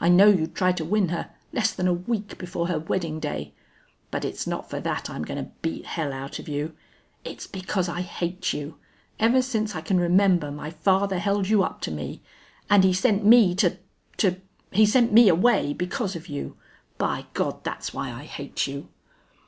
I know you'd try to win her less than a week before her wedding day.... But it's not for that I'm going to beat hell out of you! It's because I hate you! Ever since I can remember my father held you up to me! And he sent me to to he sent me away because of you. By God! that's why I hate you!"